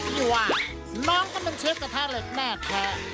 ที่ว่าน้องก็เป็นเชฟกระทะเหล็กแน่แท้